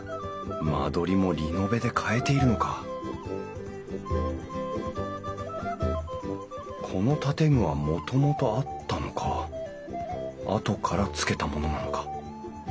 間取りもリノベで変えているのかこの建具はもともとあったのかあとからつけたものなのか？